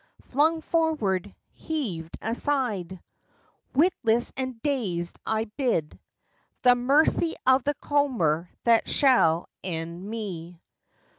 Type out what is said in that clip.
Flung forward, heaved aside, Witless and dazed I bide The mercy of the comber that shall end me.